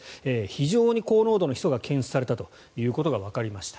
非常に高濃度のヒ素が検出されたことがわかりました。